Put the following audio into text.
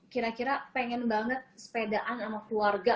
kira kira pengen banget sepedaan sama keluarga